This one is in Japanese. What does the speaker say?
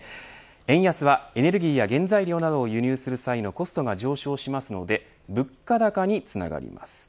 円安はエネルギーや原材料などを輸入する際のコストが上昇しますので物価高につながります。